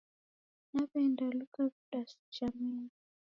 Naw'enda luka vidasi chamenyi.